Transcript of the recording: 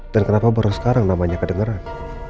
dan kenapa baru sekarang namanya kedengeran